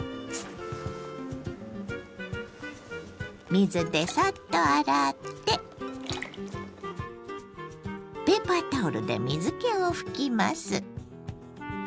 水でサッと洗ってペーパータオルで水けを拭きます。